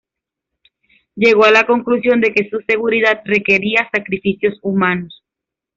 Llegó a la conclusión de que su seguridad requería sacrificios humanos.